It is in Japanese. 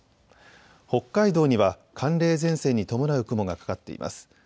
北海道には寒冷前線に伴う雲がかかっています。